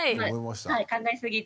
考えすぎず。